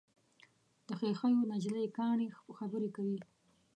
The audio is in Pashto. د ښیښو نجلۍ کاڼي خبرې کوي.